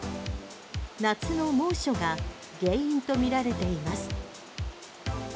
夏の猛暑が原因とみられています。